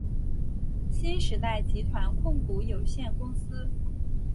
新时代集团控股有限公司。